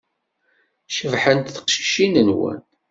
Cebḥent teqcicin-nwen.